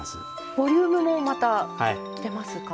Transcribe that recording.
ボリュームもまた出ますか。